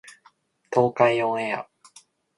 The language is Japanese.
東海オンエア